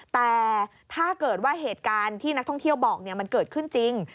แต่ถ้าเกิดว่าเหตุการณ์ที่นักท่องเที่ยวบอกมันเกิดขึ้นจริง